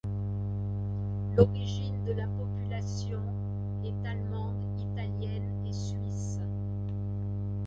L'origine de la population est allemande, italienne et suisse.